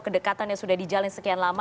kedekatan yang sudah dijalin sekian lama